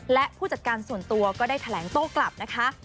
และผู้จัดการส่วนตัวก็ได้แถลงโต้กลับนะคะ